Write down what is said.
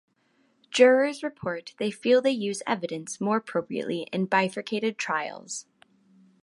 Jurors report they feel they use evidence more appropriately in bifurcated trials.